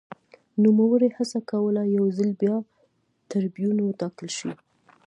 نوموړي هڅه کوله یو ځل بیا ټربیون وټاکل شي